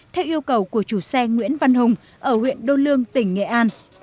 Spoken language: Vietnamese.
theo yêu cầu của chủ xe nguyễn văn hùng ở huyện đô lương tỉnh nghệ an